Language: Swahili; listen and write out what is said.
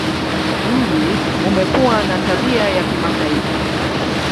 Mji umekuwa na tabia ya kimataifa.